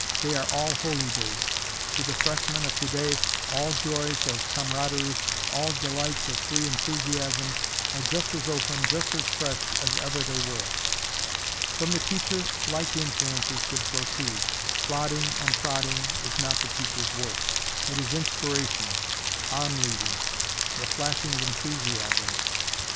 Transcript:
They are all holy days; to the freshman of today, all joys of comradery, all delights of free enthusiasm are just as open, just as fresh as ever they were. From the teacher like influences should proceed. Plodding and prodding is not the teacher's work. It is inspiration, on leading, the flashing of enthusiasms.